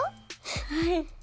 ・はい。